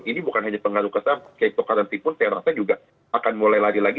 ini bukan hanya pengaruh ke saham cryptocurrency pun saya rasa juga akan mulai lari lagi